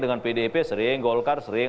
dengan pdip sering golkar sering